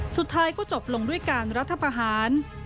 สุดท้ายก็จบลงด้วยการรัฐประหาร